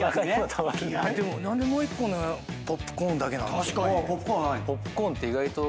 でも何でもう１個ポップコーンだけなんでしょうね。